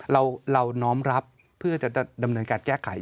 เราน้อมรับเพื่อจะดำเนินการแก้ไข